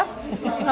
aku yang nyerah